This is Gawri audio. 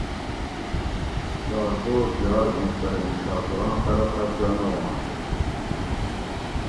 رات دوس جار ویںش پرہ نیشا پور آں قلعہ قبضہ نہ واںش